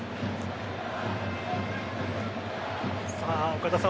岡田さん